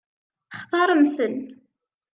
Textaṛem-ten?